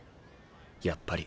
やっぱり。